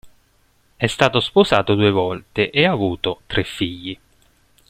È stato sposato due volte e ha avuto tre figli.